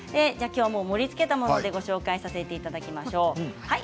盛りつけたものでご紹介させていただきましょう。